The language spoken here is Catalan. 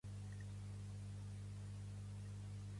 Em reproduiries el tema "Bon dia"?